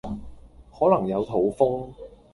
可能有肚風